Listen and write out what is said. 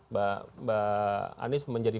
mbak anies menjadi